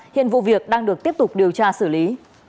hiện vụ việc đang được tiếp tục điều tra xử lý